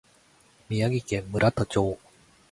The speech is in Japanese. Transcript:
宮城県村田町